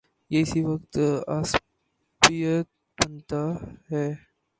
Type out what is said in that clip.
یہ اسی وقت عصبیت بنتا ہے۔